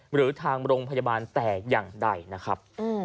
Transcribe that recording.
หรือทางโรงพยาบาลแต่อย่างใดนะครับ